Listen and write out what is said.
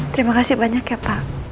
terima kasih banyak ya pak